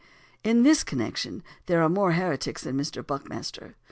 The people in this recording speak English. In this connection there are more heretics than Mr. Buckmaster.